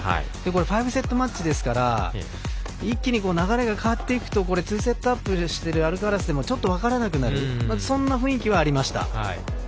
５セットマッチですから一気に流れが変わっていくと２セットアップしてるアルカラスもちょっと分からなくなるそんな雰囲気はありました。